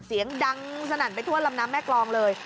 เสียงดังสนั่นไปทั่วลำน้ำแม่กรองเลย